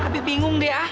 abi bingung deh ah